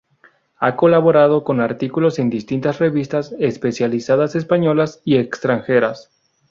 Ha colaborado con artículos en distintas revistas especializadas españolas y extranjeras.